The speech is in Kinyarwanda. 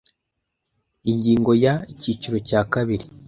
Ingingo ya Icyiciro cya kabiri